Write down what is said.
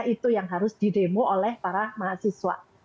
itu yang harus di demo oleh para mahasiswa